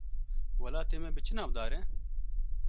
Welatê me bi çi navdar e?